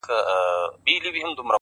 اوس پير شرميږي د ملا تر سترگو بـد ايـسو;